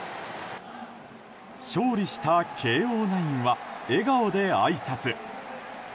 勝利した慶應ナインは笑顔であいさつ。